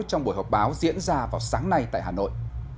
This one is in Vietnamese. trong buổi họp báo diễn ra vào sáng nay tại hà nội